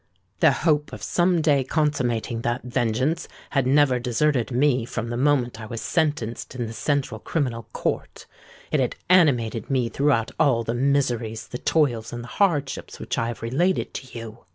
The hope of some day consummating that vengeance had never deserted me from the moment I was sentenced in the Central Criminal Court. It had animated me throughout all the miseries, the toils, and the hardships which I have related to you.